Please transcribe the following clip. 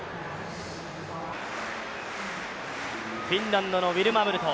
フィンランドのウィルマ・ムルト。